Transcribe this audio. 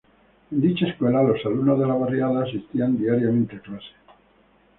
En dicha escuela los alumnos de la barriada asistían diariamente a clase.